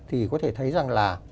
thì có thể thấy rằng là